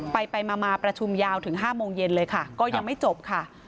ไปไปมาประชุมยาวถึง๕โมงเย็นเลยค่ะก็ยังไม่จบค่ะ